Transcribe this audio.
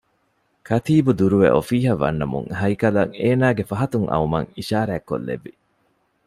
ކަތީބު ދުރުވެ އޮފީހަށް ވަންނަވަމުން ހައިކަލަށް އޭނާގެ ފަހަތުން އައުމަށް އިޝާރާތްކޮށްލެއްވި